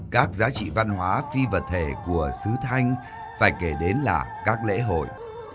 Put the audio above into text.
các giá trị văn hóa phi vật thể của sứ thanh phải kể đến là các lễ hội